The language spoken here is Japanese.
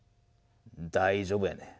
大丈夫やねん。